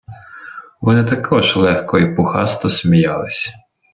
Вони також легко й пухасто сміялись.